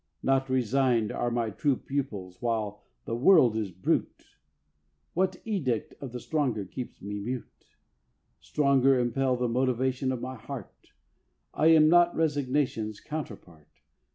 Not resigned Are my true pupils while the world is brute. What edict of the stronger keeps me mute, Stronger impels the motion of my heart. I am not Resignation's counterpart.